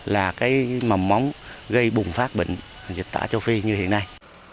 là cái mầm móng gây bùng phát bệnh dịch tả châu phi như hiện nay